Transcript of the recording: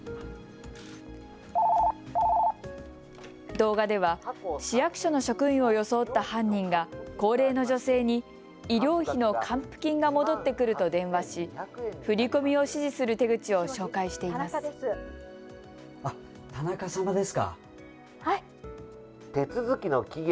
動画では市役所の職員を装った犯人が高齢の女性に医療費の還付金が戻ってくると電話し振り込みを指示する手口を紹介しています。